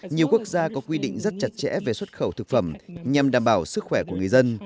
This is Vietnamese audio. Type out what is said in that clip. nhiều quốc gia có quy định rất chặt chẽ về xuất khẩu thực phẩm nhằm đảm bảo sức khỏe của người dân